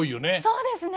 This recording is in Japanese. そうですね。